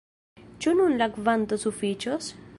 Ĉu nun la kvanto sufiĉos?